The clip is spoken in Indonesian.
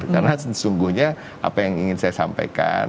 karena sesungguhnya apa yang ingin saya sampaikan